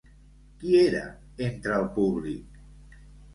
Qui era entre el públic?